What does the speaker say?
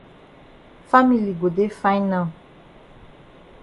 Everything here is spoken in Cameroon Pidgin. Family go dey fine now.